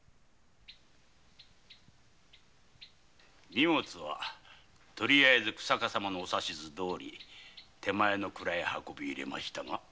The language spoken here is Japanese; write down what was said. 荷物は日下様のお指図どおり手前の蔵へ運び入れましたが。